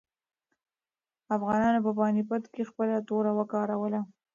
افغانانو په پاني پت کې خپله توره وکاروله.